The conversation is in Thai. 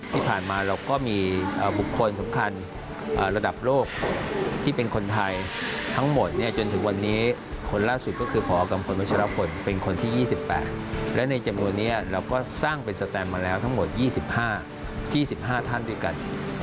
ที่ผ่านมาเราก็มีบุคคลสำคัญระดับโลกที่เป็นคนไทยทั้งหมดจนถึงวันนี้คนล่าสุดก็คือพอกัมพลวัชรพลเป็นคนที่๒๘และในจำนวนนี้เราก็สร้างเป็นสแตมมาแล้วทั้งหมด๒๕๒๕ท่านด้วยกัน